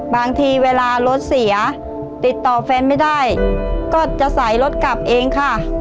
บางทีเวลารถเสียติดต่อแฟนไม่ได้ก็จะใส่รถกลับเองค่ะ